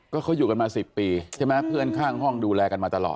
ก็เขาอยู่กันมา๑๐ปีใช่ไหมเพื่อนข้างห้องดูแลกันมาตลอด